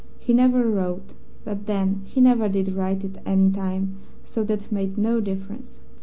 He never wrote; but, then, he never did write at any time, so that made no difference.